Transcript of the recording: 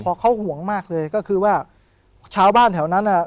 เพราะเขาห่วงมากเลยก็คือว่าชาวบ้านแถวนั้นอ่ะ